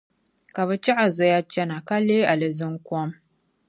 Ka bɛ chɛ ka zoya chana, ka leei aliziŋkom.